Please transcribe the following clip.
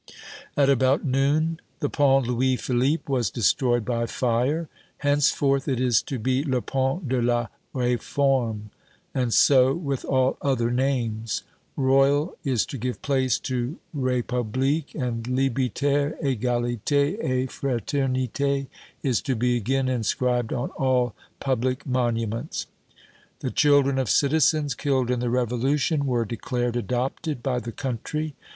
At about noon, the Pont Louis Philippe was destroyed by fire. Henceforth it is to be "Le Pont de la Réforme." And so with all other names. Royal is to give place to République, and "Liberté, Egalité et Fraternité" is to be again inscribed on all public monuments. The children of citizens killed in the Revolution were declared adopted by the country.